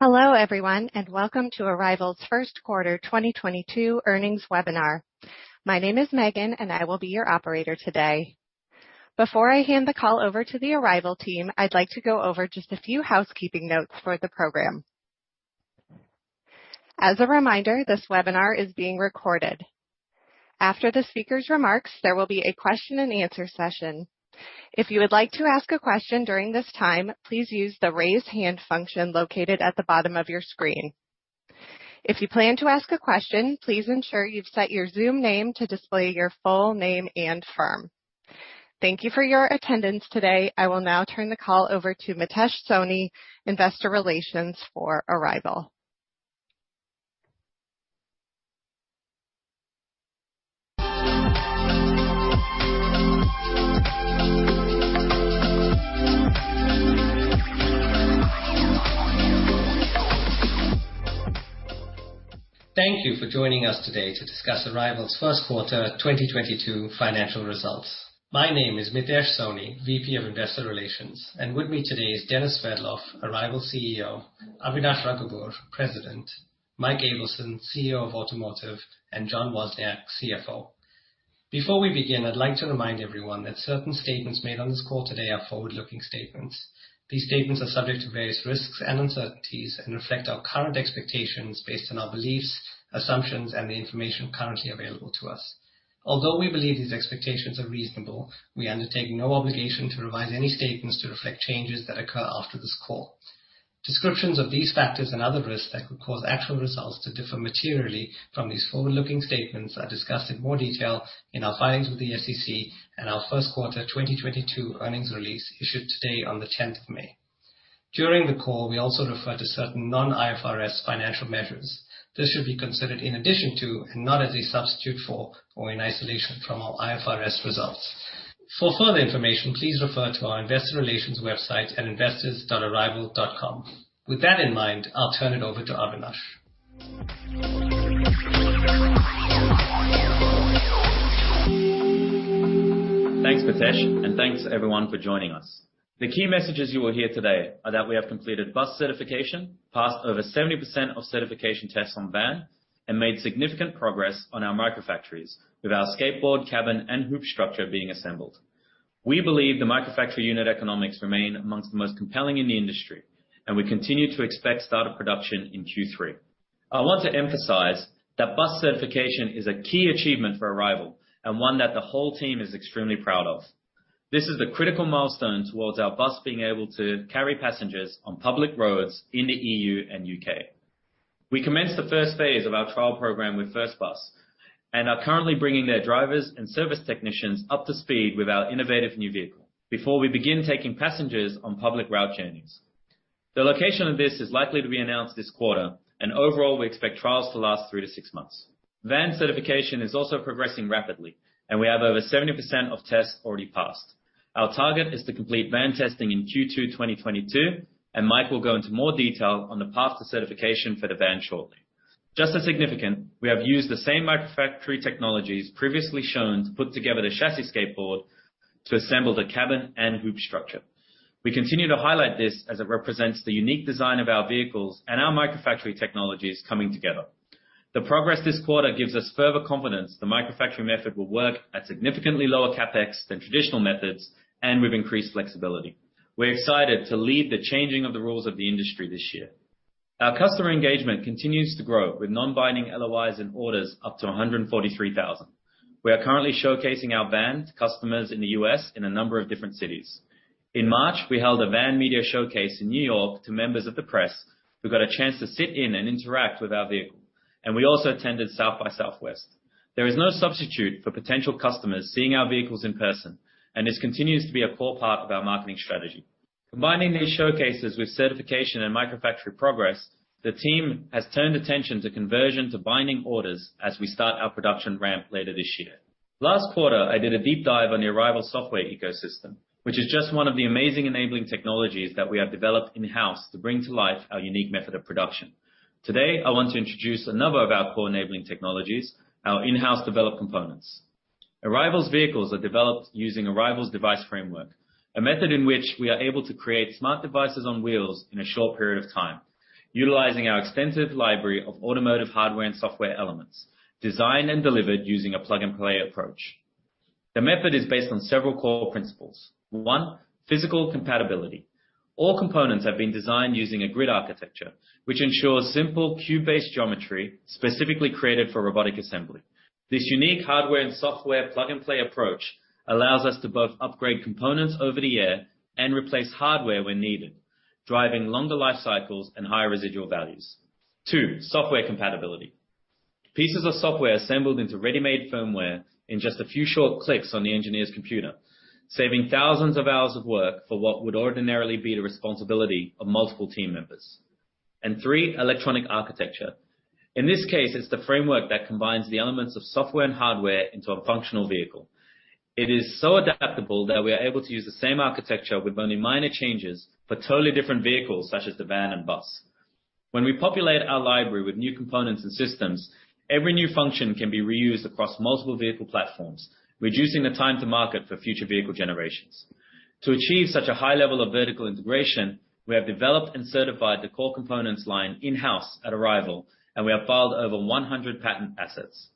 Hello, everyone, and welcome to Arrival's Q1 2022 earnings webinar. My name is Megan, and I will be your operator today. Before I hand the call over to the Arrival team, I'd like to go over just a few housekeeping notes for the program. As a reminder, this webinar is being recorded. After the speaker's remarks, there will be a question and answer session. If you would like to ask a question during this time, please use the raise hand function located at the bottom of your screen. If you plan to ask a question, please ensure you've set your Zoom name to display your full name and firm. Thank you for your attendance today. I will now turn the call over to Mitesh Soni, Investor Relations for Arrival. Thank you for joining us today to discuss Arrival's Q1 2022 financial results. My name is Mitesh Soni, VP of Investor Relations, and with me today is Denis Sverdlov, Arrival CEO, Avinash Rugoobur, President, Mike Ableson, CEO of Automotive, and John Wozniak, CFO. Before we begin, I'd like to remind everyone that certain statements made on this call today are forward-looking statements. These statements are subject to various risks and uncertainties and reflect our current expectations based on our beliefs, assumptions, and the information currently available to us. Although we believe these expectations are reasonable, we undertake no obligation to revise any statements to reflect changes that occur after this call. Descriptions of these factors and other risks that could cause actual results to differ materially from these forward-looking statements are discussed in more detail in our filings with the SEC and our Q1 2022 earnings release issued today on the May 10th. During the call, we also refer to certain non-IFRS financial measures. This should be considered in addition to and not as a substitute for or in isolation from our IFRS results. For further information, please refer to our investor relations website at investors.arrival.com. With that in mind, I'll turn it over to Avinash. Thanks, Mitesh, and thanks, everyone, for joining us. The key messages you will hear today are that we have completed bus certification, passed over 70% of certification tests on van, and made significant progress on our Microfactories with our skateboard, cabin, and hoop structure being assembled. We believe the Microfactory unit economics remain among the most compelling in the industry, and we continue to expect start of production in Q3. I want to emphasize that bus certification is a key achievement for Arrival and one that the whole team is extremely proud of. This is the critical milestone towards our bus being able to carry passengers on public roads in the EU and U.K. We commenced the phase I of our trial program with First Bus and are currently bringing their drivers and service technicians up to speed with our innovative new vehicle before we begin taking passengers on public route journeys. The location of this is likely to be announced this quarter, and overall, we expect trials to last three to six months. Van certification is also progressing rapidly, and we have over 70% of tests already passed. Our target is to complete van testing in Q2, 2022, and Mike will go into more detail on the path to certification for the van shortly. Just as significant, we have used the same Microfactory technologies previously shown to put together the chassis skateboard to assemble the cabin and hoop structure. We continue to highlight this as it represents the unique design of our vehicles and our Microfactory technologies coming together. The progress this quarter gives us further confidence the Microfactory method will work at significantly lower CapEx than traditional methods and with increased flexibility. We're excited to lead the changing of the rules of the industry this year. Our customer engagement continues to grow with non-binding LOIs and orders up to 143,000. We are currently showcasing our van to customers in the U.S. in a number of different cities. In March, we held a van media showcase in New York to members of the press who got a chance to sit in and interact with our vehicle. We also attended South by Southwest. There is no substitute for potential customers seeing our vehicles in person, and this continues to be a core part of our marketing strategy. Combining these showcases with certification and Microfactory progress, the team has turned attention to conversion to binding orders as we start our production ramp later this year. Last quarter, I did a deep dive on the Arrival software ecosystem, which is just one of the amazing enabling technologies that we have developed in-house to bring to life our unique method of production. Today, I want to introduce another of our core enabling technologies, our in-house developed components. Arrival's vehicles are developed using Arrival's device framework, a method in which we are able to create smart devices on wheels in a short period of time, utilizing our extensive library of automotive hardware and software elements, designed and delivered using a plug-and-play approach. The method is based on several core principles. One, physical compatibility. All components have been designed using a grid architecture, which ensures simple cube-based geometry specifically created for robotic assembly. This unique hardware and software plug-and-play approach allows us to both upgrade components over the air and replace hardware when needed, driving longer life cycles and higher residual values. Two, software compatibility. Pieces of software assembled into ready-made firmware in just a few short clicks on the engineer's computer, saving thousands of hours of work for what would ordinarily be the responsibility of multiple team members. Three, electronic architecture. In this case, it's the framework that combines the elements of software and hardware into a functional vehicle. It is so adaptable that we are able to use the same architecture with only minor changes for totally different vehicles such as the van and bus. When we populate our library with new components and systems, every new function can be reused across multiple vehicle platforms, reducing the time to market for future vehicle generations. To achieve such a high level of vertical integration, we have developed and certified the core components line in-house at Arrival, and we have filed over 100 patent assets.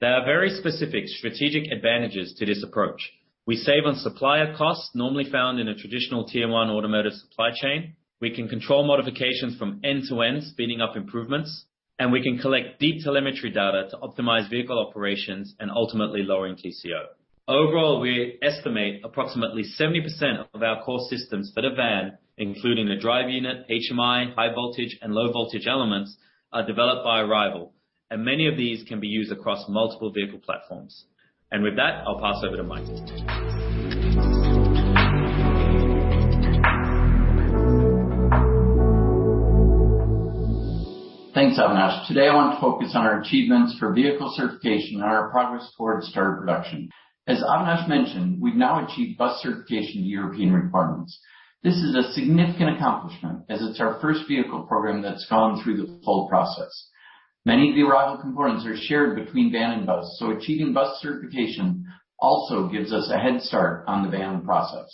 There are very specific strategic advantages to this approach. We save on supplier costs normally found in a traditional tier one automotive supply chain, we can control modifications from end to end, speeding up improvements, and we can collect deep telemetry data to optimize vehicle operations and ultimately lowering TCO. Overall, we estimate approximately 70% of our core systems for the van, including the drive unit, HMI, high voltage, and low voltage elements, are developed by Arrival, and many of these can be used across multiple vehicle platforms. With that, I'll pass over to Mike. Thanks, Avinash. Today, I want to focus on our achievements for vehicle certification and our progress towards starter production. As Avinash mentioned, we've now achieved bus certification to European requirements. This is a significant accomplishment as it's our first vehicle program that's gone through the full process. Many of the Arrival components are shared between van and bus, so achieving bus certification also gives us a head start on the van process.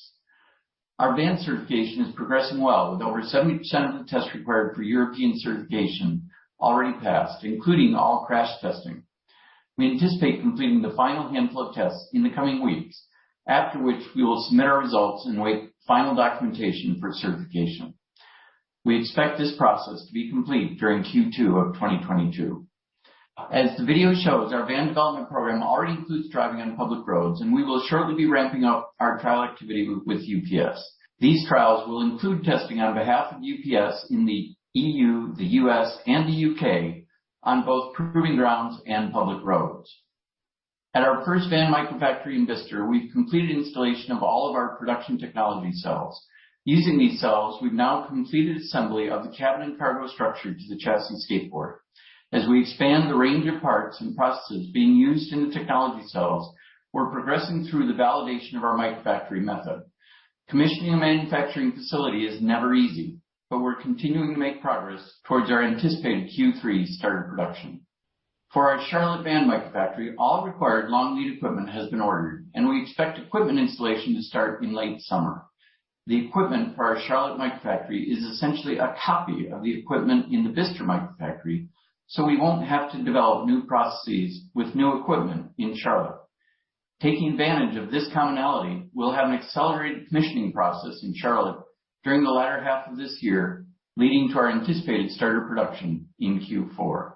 Our van certification is progressing well with over 70% of the tests required for European certification already passed, including all crash testing. We anticipate completing the final handful of tests in the coming weeks, after which we will submit our results and await final documentation for certification. We expect this process to be complete during Q2 of 2022. As the video shows, our van development program already includes driving on public roads, and we will shortly be ramping up our trial activity with UPS. These trials will include testing on behalf of UPS in the EU., the U.S., and the U.K. on both proving grounds and public roads. At our first van Microfactory in Bicester, we've completed installation of all of our production technology cells. Using these cells, we've now completed assembly of the cabin and cargo structure to the chassis and skateboard. As we expand the range of parts and processes being used in the technology cells, we're progressing through the validation of our Microfactory method. Commissioning a manufacturing facility is never easy, but we're continuing to make progress towards our anticipated Q3 starter production. For our Charlotte van Microfactory, all required long-lead equipment has been ordered, and we expect equipment installation to start in late summer. The equipment for our Charlotte Microfactory is essentially a copy of the equipment in the Bicester Microfactory, so we won't have to develop new processes with new equipment in Charlotte. Taking advantage of this commonality, we'll have an accelerated commissioning process in Charlotte during the latter half of this year, leading to our anticipated starter production in Q4.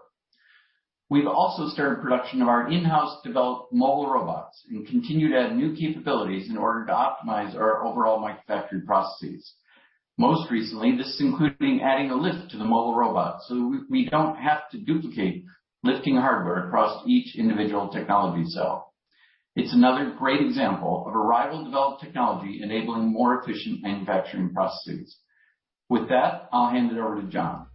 We've also started production of our in-house developed mobile robots and continued to add new capabilities in order to optimize our overall Microfactory processes. Most recently, this is including adding a lift to the mobile robot, so we don't have to duplicate lifting hardware across each individual technology cell. It's another great example of Arrival developed technology enabling more efficient manufacturing processes. With that, I'll hand it over to John.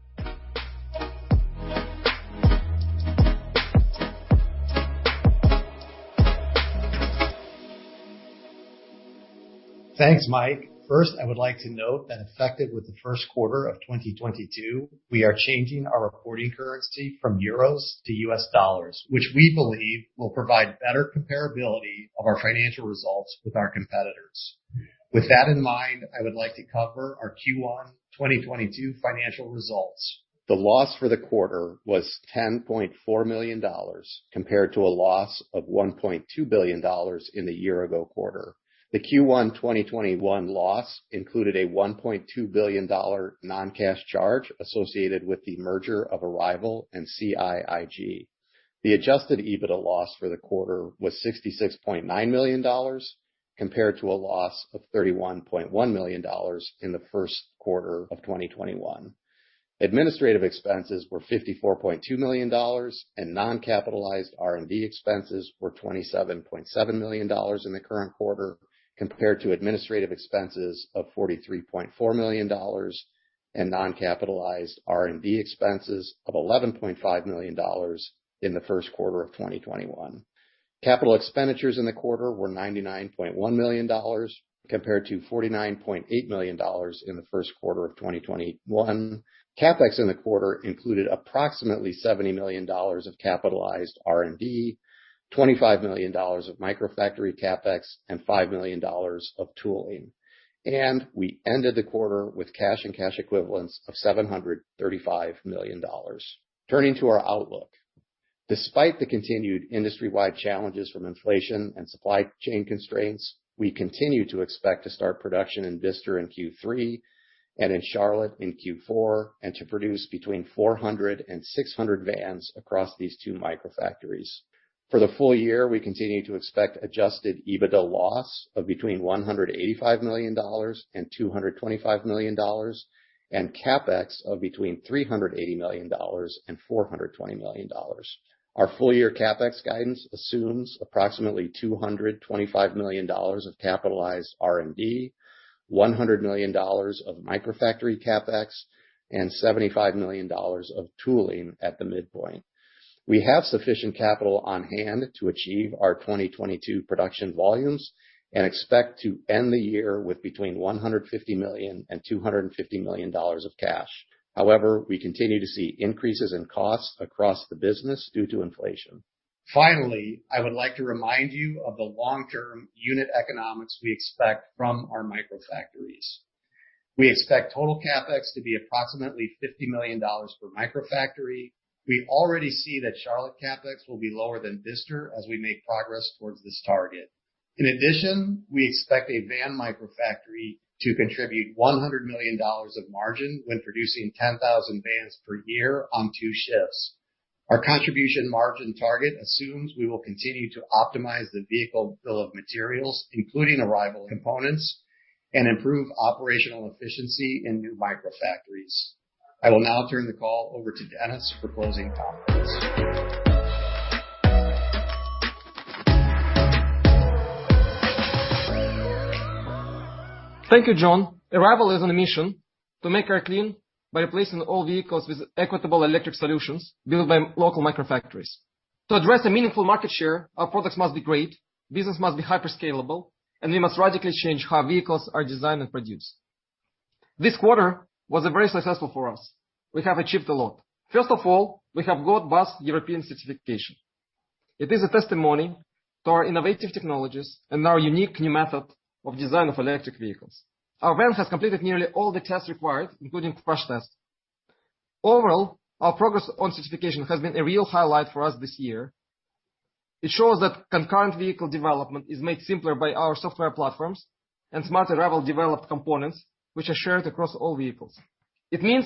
Thanks, Mike. First, I would like to note that effective with the Q1 of 2022, we are changing our reporting currency from euros to US dollars, which we believe will provide better comparability of our financial results with our competitors. With that in mind, I would like to cover our Q1 2022 financial results. The loss for the quarter was $10.4 million compared to a loss of $1.2 billion in the year ago quarter. The Q1 2021 loss included a $1.2 billion non-cash charge associated with the merger of Arrival and CIIG. The adjusted EBITDA loss for the quarter was $66.9 million compared to a loss of $31.1 million in the Q1 of 2021. Administrative expenses were $54.2 million, and non-capitalized R&D expenses were $27.7 million in the current quarter, compared to administrative expenses of $43.4 million and non-capitalized R&D expenses of $11.5 million in the Q1 of 2021. Capital expenditures in the quarter were $99.1 million compared to $49.8 million in the Q1 of 2021. CapEx in the quarter included approximately $70 million of capitalized R&D, $25 million of Microfactory CapEx, and $5 million of tooling. We ended the quarter with cash and cash equivalents of $735 million. Turning to our outlook. Despite the continued industry-wide challenges from inflation and supply chain constraints, we continue to expect to start production in Bicester in Q3 and in Charlotte in Q4, and to produce between 400 and 600 vans across these two Microfactories. For the full year, we continue to expect adjusted EBITDA loss of between $185 million and $225 million, and CapEx of between $380 million and $420 million. Our full year CapEx guidance assumes approximately $225 million of capitalized R&D, $100 million of Microfactory CapEx, and $75 million of tooling at the midpoint. We have sufficient capital on-hand to achieve our 2022 production volumes and expect to end the year with between $150 million and $250 million of cash. However, we continue to see increases in costs across the business due to inflation. Finally, I would like to remind you of the long-term unit economics we expect from our Microfactories. We expect total CapEx to be approximately $50 million per Microfactory. We already see that Charlotte CapEx will be lower than Bicester as we make progress towards this target. In addition, we expect a van Microfactory to contribute $100 million of margin when producing 10,000 vans per year on two shifts. Our contribution margin target assumes we will continue to optimize the vehicle bill of materials, including Arrival components, and improve operational efficiency in new Microfactories. I will now turn the call over to Denis for closing comments. Thank you, John. Arrival is on a mission to make air clean by replacing all vehicles with equitable electric solutions built by local Microfactories. To address a meaningful market share, our products must be great, business must be hyper scalable, and we must radically change how vehicles are designed and produced. This quarter was very successful for us. We have achieved a lot. First of all, we have got bus European type approval. It is a testimony to our innovative technologies and our unique new method of design of electric vehicles. Our van has completed nearly all the tests required, including crash tests. Overall, our progress on certification has been a real highlight for us this year. It shows that concurrent vehicle development is made simpler by our software platforms and smarter Arrival developed components which are shared across all vehicles. It means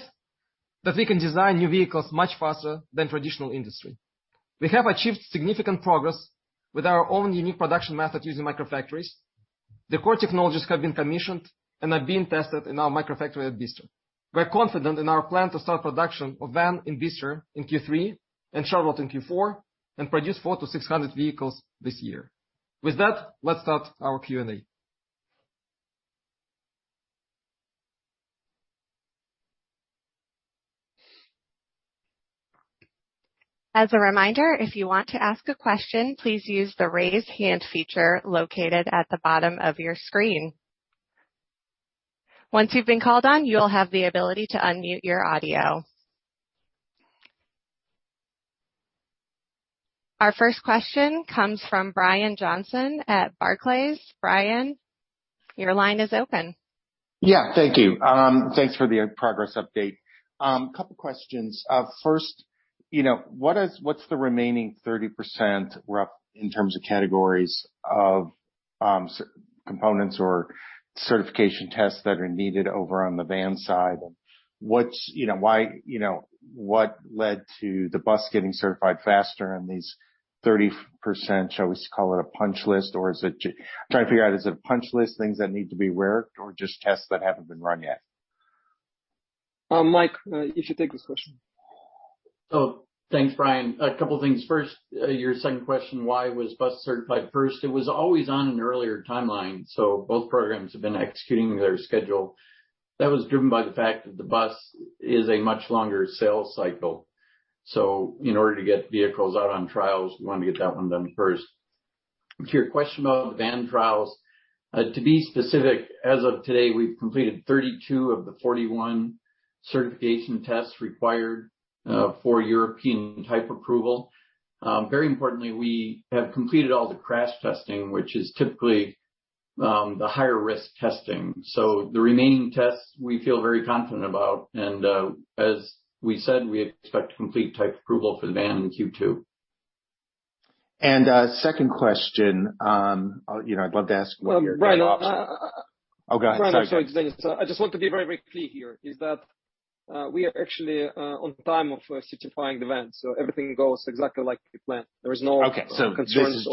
that we can design new vehicles much faster than traditional industry. We have achieved significant progress with our own unique production method using Microfactories. The core technologies have been commissioned and are being tested in our Microfactory at Bicester. We're confident in our plan to start production of van in Bicester in Q3 and Charlotte in Q4, and produce 400-600 vehicles this year. With that, let's start our Q&A. As a reminder, if you want to ask a question, please use the Raise Hand feature located at the bottom of your screen. Once you've been called on, you'll have the ability to unmute your audio. Our first question comes from Brian Johnson at Barclays. Brian, your line is open. Yeah, thank you. Thanks for the progress update. A couple questions. First, you know, what's the remaining 30% roughly in terms of categories of S-components or certification tests that are needed over on the van side? And what's, you know, why, you know, what led to the bus getting certified faster and these 30%, shall we call it a punch list? Or is it, I'm trying to figure out, is it a punch list, things that need to be worked or just tests that haven't been run yet? Mike, you should take this question. Oh, thanks, Brian. A couple things. First, your second question, why was bus certified first? It was always on an earlier timeline, so both programs have been executing their schedule. That was driven by the fact that the bus is a much longer sales cycle, so in order to get vehicles out on trials, we want to get that one done first. To your question about the van trials, to be specific, as of today, we've completed 32 of the 41 certification tests required for European type approval. Very importantly, we have completed all the crash testing, which is typically the higher risk testing. So the remaining tests we feel very confident about, and as we said, we expect to complete type approval for the van in Q2. Second question. You know, I'd love to ask what your- Well, Brian. Oh, go ahead. Sorry, go ahead. Brian, I'm so excited. I just want to be very, very clear here is that, we are actually, on time of certifying the van, so everything goes exactly like we planned. There is no. Okay. concerns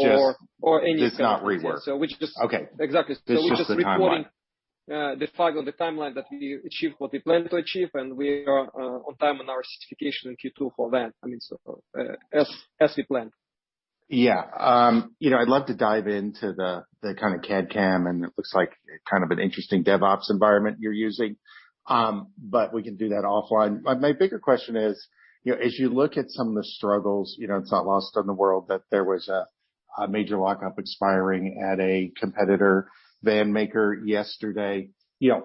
or anything. This is just, it's not rework. So we're just- Okay. Exactly. It's just the timeline. We're just reporting, despite on the timeline that we achieved what we planned to achieve, and we are on time on our certification in Q2 for van. I mean, as we planned. Yeah. You know, I'd love to dive into the kind of CAD/CAM, and it looks like kind of an interesting DevOps environment you're using. But we can do that offline. My bigger question is, you know, as you look at some of the struggles, you know, it's not lost on the world that there was a major lockup expiring at a competitor van maker yesterday. You know,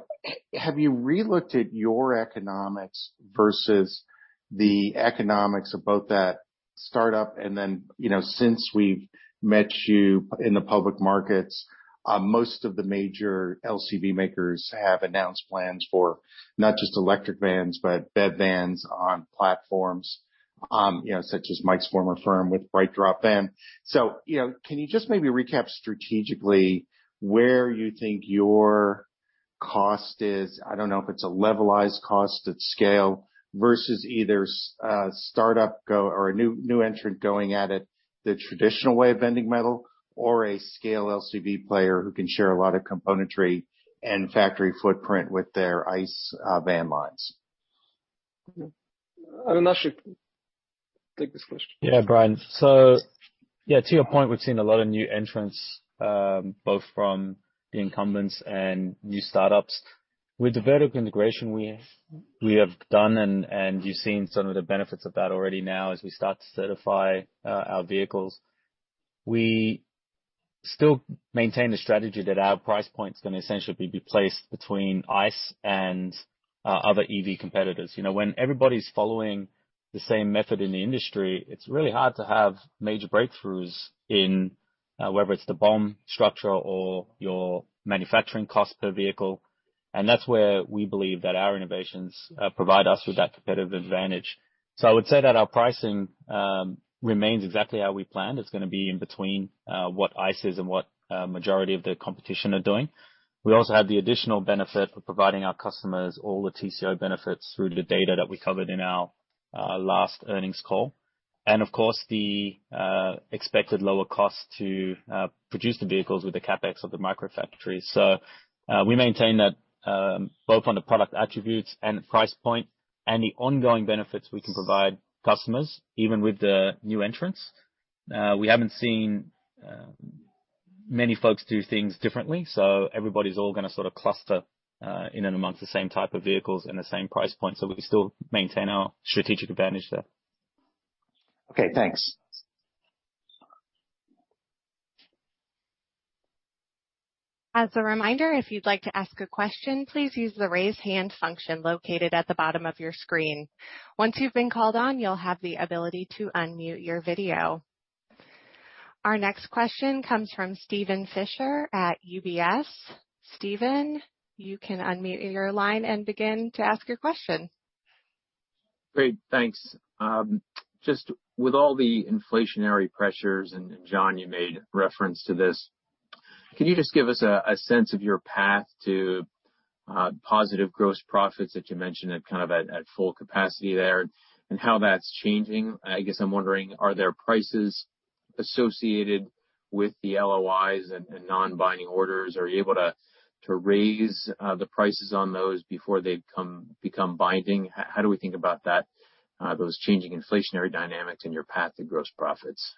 have you relooked at your economics versus the economics of both that startup and then, you know, since we've met you in the public markets, most of the major LCV makers have announced plans for not just electric vans, but bed vans on platforms, you know, such as Mike's former firm with BrightDrop Van. You know, can you just maybe recap strategically where you think your cost is? I don't know if it's a levelized cost at scale versus either a startup or a new entrant going at it the traditional way of bending metal or a scale LCV player who can share a lot of componentry and factory footprint with their ICE van lines. I mean, Avinash, take this question. Yeah, Brian. Yeah, to your point, we've seen a lot of new entrants, both from the incumbents and new startups. With the vertical integration we have done and you've seen some of the benefits of that already now as we start to certify our vehicles, we still maintain the strategy that our price point is gonna essentially be placed between ICE and other EV competitors. You know, when everybody's following the same method in the industry, it's really hard to have major breakthroughs in whether it's the BOM structure or your manufacturing cost per vehicle. That's where we believe that our innovations provide us with that competitive advantage. I would say that our pricing remains exactly how we planned. It's gonna be in between what ICE is and what majority of the competition are doing. We also have the additional benefit for providing our customers all the TCO benefits through the data that we covered in our last earnings call. Of course, the expected lower cost to produce the vehicles with the CapEx of the microfactories. We maintain that both on the product attributes and the price point and the ongoing benefits we can provide customers, even with the new entrants. We haven't seen many folks do things differently, so everybody's all gonna sorta cluster in and amongst the same type of vehicles in the same price point, so we still maintain our strategic advantage there. Okay, thanks. As a reminder, if you'd like to ask a question, please use the Raise Hand function located at the bottom of your screen. Once you've been called on, you'll have the ability to unmute your video. Our next question comes from Steven Fisher at UBS. Steven, you can unmute your line and begin to ask your question. Great. Thanks. Just with all the inflationary pressures, and John, you made reference to this, can you just give us a sense of your path to positive gross profits that you mentioned at full capacity there and how that's changing? I guess I'm wondering, are there prices associated with the LOIs and non-binding orders? Are you able to raise the prices on those before they become binding? How do we think about that, those changing inflationary dynamics in your path to gross profits?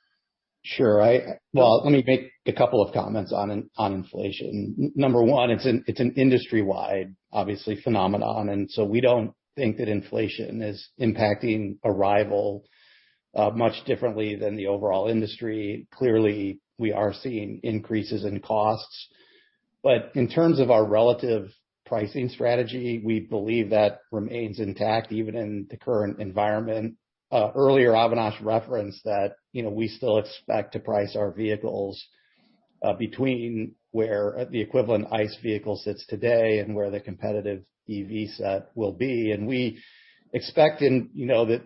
Sure. Well, let me make a couple of comments on inflation. Number one, it's an industry-wide, obviously, phenomenon, and so we don't think that inflation is impacting Arrival much differently than the overall industry. Clearly, we are seeing increases in costs. In terms of our relative pricing strategy, we believe that remains intact even in the current environment. Earlier, Avinash referenced that, you know, we still expect to price our vehicles between where the equivalent ICE vehicle sits today and where the competitive EV set will be. We expect, you know, that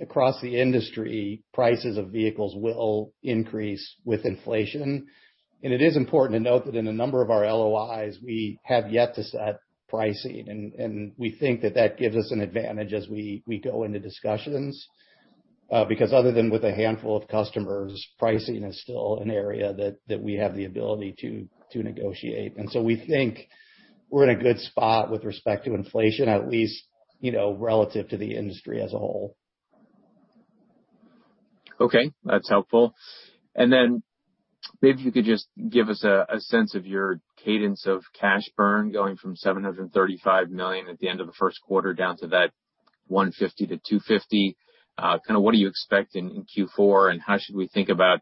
across the industry, prices of vehicles will increase with inflation. It is important to note that in a number of our LOIs, we have yet to set pricing, and we think that that gives us an advantage as we go into discussions. Because other than with a handful of customers, pricing is still an area that we have the ability to negotiate. We think we're in a good spot with respect to inflation, at least, you know, relative to the industry as a whole. Okay, that's helpful. Then maybe if you could just give us a sense of your cadence of cash burn going from $735 million at the end of the Q1 down to that $150 million -$250 miilion. Kinda what do you expect in Q4, and how should we think about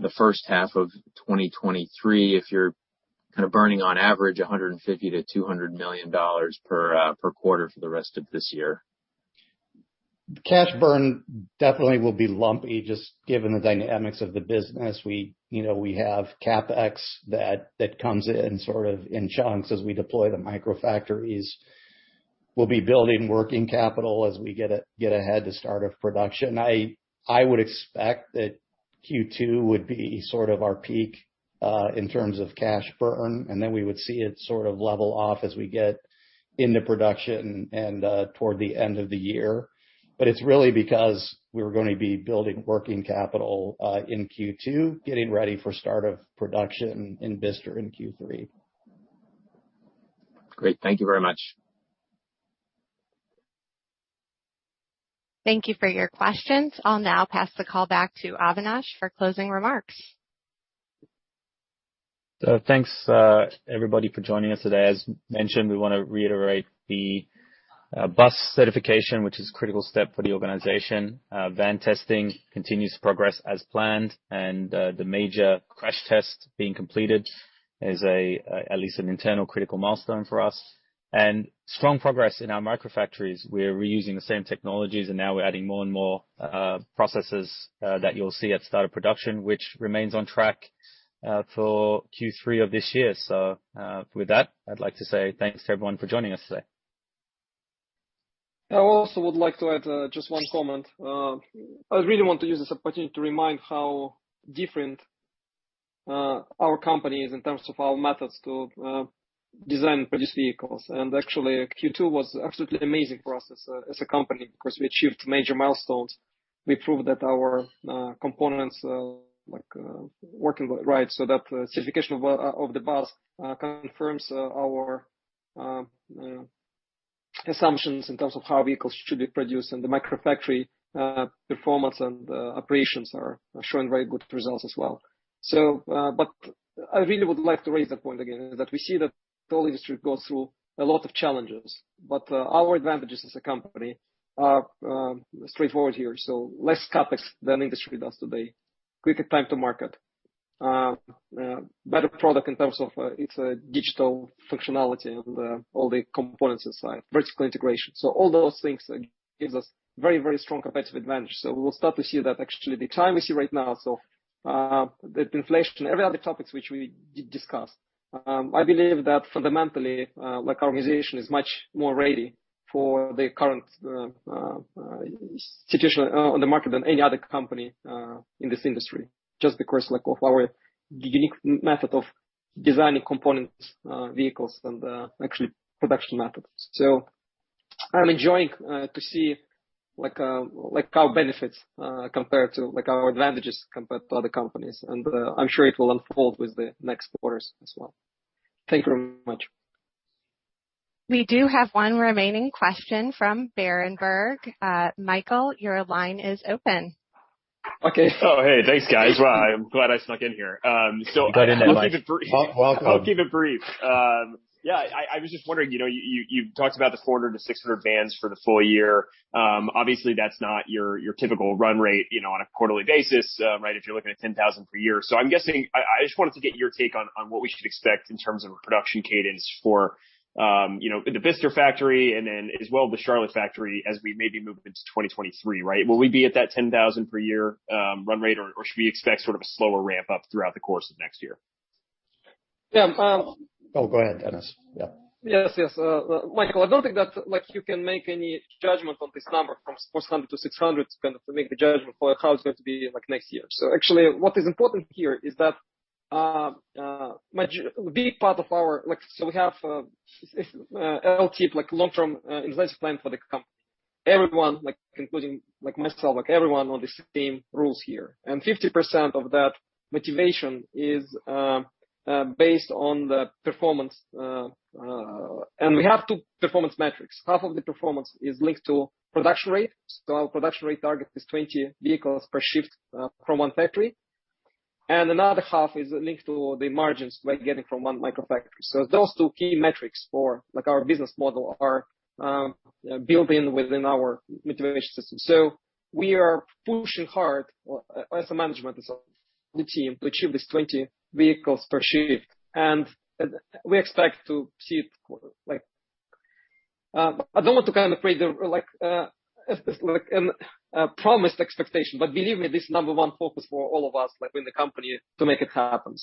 the first half of 2023 if you're kinda burning on average $150 million-$200 million per quarter for the rest of this year? Cash burn definitely will be lumpy, just given the dynamics of the business. We, you know, we have CapEx that comes in sort of in chunks as we deploy the microfactories. We'll be building working capital as we get ahead to start of production. I would expect that Q2 would be sort of our peak in terms of cash burn, and then we would see it sort of level off as we get into production and toward the end of the year. It's really because we're gonna be building working capital in Q2, getting ready for start of production in Bicester in Q3. Great. Thank you very much. Thank you for your questions. I'll now pass the call back to Avinash for closing remarks. Thanks, everybody for joining us today. As mentioned, we wanna reiterate the bus certification, which is a critical step for the organization. Van testing continues to progress as planned, and the major crash test being completed is at least an internal critical milestone for us. Strong progress in our Microfactories. We're reusing the same technologies, and now we're adding more and more processes that you'll see at start of production, which remains on track for Q3 of this year. With that, I'd like to say thanks to everyone for joining us today. I also would like to add just one comment. I really want to use this opportunity to remind how different our company is in terms of our methods to design and produce vehicles. Actually, Q2 was absolutely amazing for us as a company 'cause we achieved major milestones. We proved that our components, like, are working right so that certification of the bus confirms our assumptions in terms of how vehicles should be produced and the Microfactory performance and the operations are showing very good results as well. I really would like to raise that point again, that we see the whole industry goes through a lot of challenges, but our advantages as a company are straightforward here. Less CapEx than industry does today, quicker time to market. Better product in terms of its digital functionality and all the components inside, vertical integration. All those things gives us very, very strong competitive advantage. We will start to see that actually the time we see right now, so the inflation and every other topics which we did discuss. I believe that fundamentally, like our organization is much more ready for the current situation on the market than any other company in this industry, just because like of our unique method of designing components, vehicles and actually production methods. I'm enjoying to see like our benefits compared to like our advantages compared to other companies. I'm sure it will unfold with the next quarters as well. Thank you very much. We do have one remaining question from Berenberg. Michael, your line is open. Okay. Oh, hey. Thanks, guys. Well, I'm glad I snuck in here. You got in there, Mike. I'll keep it brief. Welcome. I'll keep it brief. Yeah. I was just wondering, you know, you've talked about the 400-600 vans for the full year. Obviously that's not your typical run rate, you know, on a quarterly basis, right, if you're looking at 10,000 per year. I'm guessing I just wanted to get your take on what we should expect in terms of production cadence for, you know, the Bicester factory and then as well the Charlotte factory as we maybe move into 2023, right? Will we be at that 10,000 per year run rate, or should we expect sort of a slower ramp up throughout the course of next year? Yeah. Oh, go ahead, Denis. Yeah. Yes, yes. Michael, I don't think that, like, you can make any judgment on this number from 400-600 kind of to make the judgment for how it's going to be like next year. Actually what is important here is that, big part of our like, we have, LT, like long-term, investment plan for the company. Everyone, like including myself, everyone on this team rules here. 50% of that motivation is based on the performance. We have two performance metrics. Half of the performance is linked to production rate. Our production rate target is 20 vehicles per shift from one factory. Another half is linked to the margins we're getting from one Microfactory. Those two key metrics for like our business model are built-in within our motivation system. We are pushing hard, as management, as the team to achieve this 20 vehicles per shift. We expect to see it this quarter, like. I don't want to kind of create the like, this like, a promised expectation, but believe me, this is number one focus for all of us, like in the company to make it happen.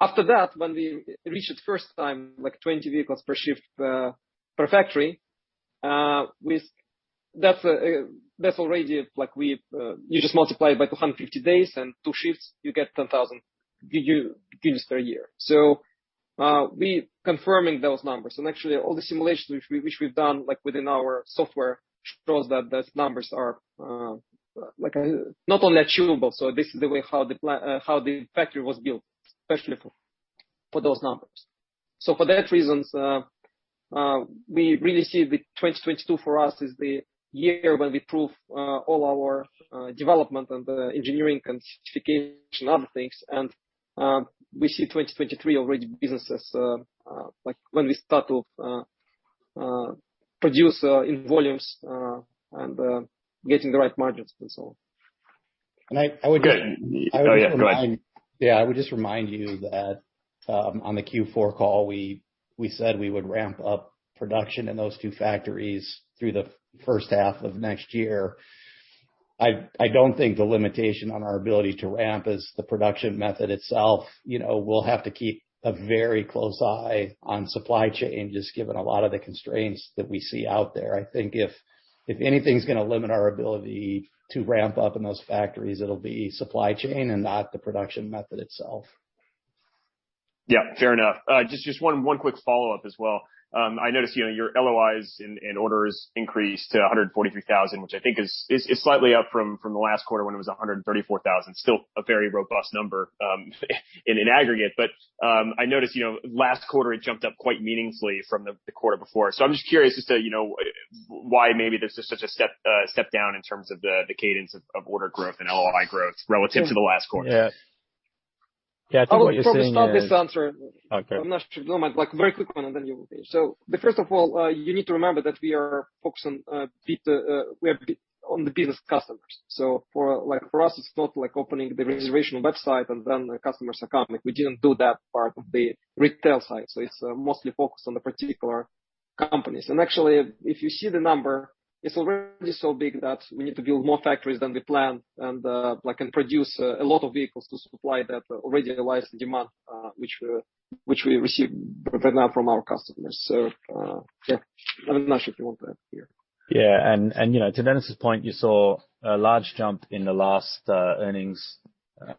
After that, when we reach it first time, like 20 vehicles per shift per factory. That's already. Like, you just multiply it by 250 days and two shifts. You get 10,000 vehicles per year. We're confirming those numbers. Actually all the simulations which we've done, like within our software shows that those numbers are like not only achievable. This is the way how the factory was built, especially for those numbers. For that reasons we really see the 2022 for us is the year when we prove all our development and the engineering certification and other things. We see 2023 already businesses like when we start to produce in volumes and getting the right margins and so on. I would just. Good. Oh, yeah. Go ahead. Yeah. I would just remind you that, on the Q4 call, we said we would ramp up production in those two factories through the first half of next year. I don't think the limitation on our ability to ramp is the production method itself. You know, we'll have to keep a very close eye on supply chain, just given a lot of the constraints that we see out there. I think if anything's gonna limit our ability to ramp up in those factories, it'll be supply chain and not the production method itself. Yeah, fair enough. Just one quick follow-up as well. I noticed, you know, your LOIs and orders increased to 143,000, which I think is slightly up from the last quarter when it was 134,000. Still a very robust number in aggregate. I noticed, you know, last quarter it jumped up quite meaningfully from the quarter before. I'm just curious as to, you know, why maybe there's just such a step down in terms of the cadence of order growth and LOI growth relative to the last quarter. Yeah. I think what you're seeing is. I will probably start this answer. Okay. I'm not sure. No, like, very quick one, and then you. The first of all, you need to remember that we are focused on B2B. We are on the business customers. For, like, for us, it's not like opening the reservation website and then the customers are coming. We didn't do that part of the retail side. It's mostly focused on the particular companies. Actually, if you see the number, it's already so big that we need to build more factories than we planned and produce a lot of vehicles to supply that already realized demand, which we receive right now from our customers. Yeah. Avinash, if you want to add here. Yeah. You know, to Denis' point, you saw a large jump in the last earnings.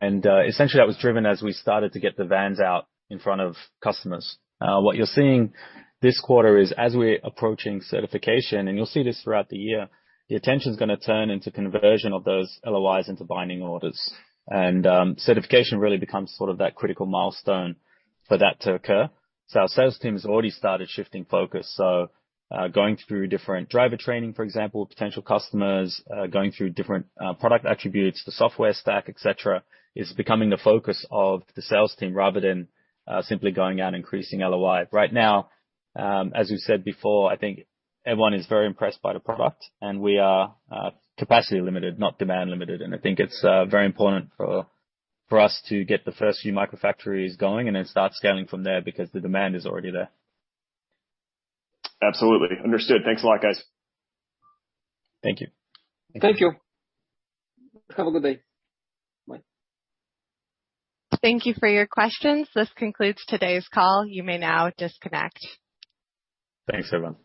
Essentially that was driven as we started to get the vans out in front of customers. What you're seeing this quarter is, as we're approaching certification, and you'll see this throughout the year, the attention's gonna turn into conversion of those LOIs into binding orders. Certification really becomes sort of that critical milestone for that to occur. Our sales team has already started shifting focus. Going through different driver training, for example, potential customers, going through different product attributes, the software stack, et cetera, is becoming the focus of the sales team rather than simply going out and increasing LOI. Right now, as we said before, I think everyone is very impressed by the product and we are capacity limited, not demand limited. I think it's very important for us to get the first few microfactories going and then start scaling from there because the demand is already there. Absolutely. Understood. Thanks a lot, guys. Thank you. Thank you. Have a good day. Bye. Thank you for your questions. This concludes today's call. You may now disconnect. Thanks, everyone.